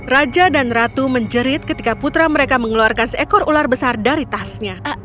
raja dan ratu menjerit ketika putra mereka mengeluarkan seekor ular besar dari tasnya